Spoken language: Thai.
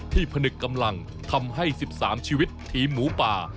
ผนึกกำลังทำให้๑๓ชีวิตทีมหมูป่า